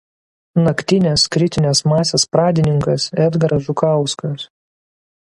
Naktinės kritinės masės pradininkas Edgaras Žukauskas.